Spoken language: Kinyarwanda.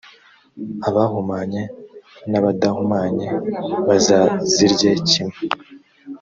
abahumanye n’abadahumanye bazazirye kimwe.